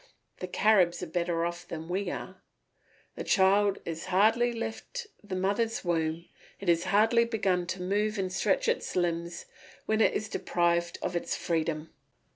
The Caribs are better off than we are. The child has hardly left the mother's womb, it has hardly begun to move and stretch its limbs, when it is deprived of its freedom.